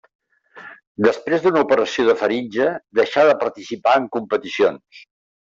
Després d'una operació de faringe deixà de participar en competicions.